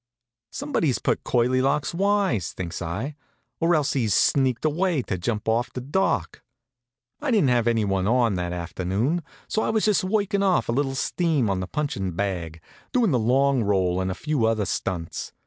"Somebody's put Curly Locks wise," thinks I, "or else he's sneaked away to jump off the dock." I didn't have anyone on that afternoon; so I was just workin' off a little steam on a punchin' bag, doing the long roll and a few other stunts.